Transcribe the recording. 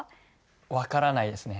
分からないですね。